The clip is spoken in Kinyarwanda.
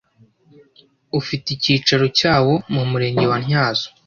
ufite icyicaro cyawo mu murenge wa ntyazo